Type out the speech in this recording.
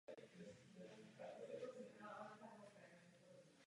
Na grafickém listu je odlišný text.